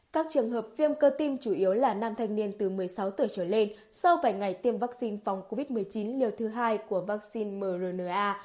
các trường hợp viêm cơ tim chủ yếu là nam thanh niên từ một mươi sáu tuổi trở lên sau vài ngày tiêm vaccine phòng covid một mươi chín liều thứ hai của vaccine mrna